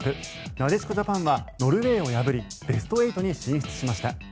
なでしこジャパンはノルウェーを破りベスト８に進出しました。